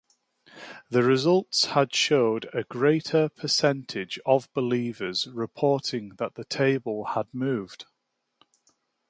The results showed a greater percentage of believers reporting that the table had moved.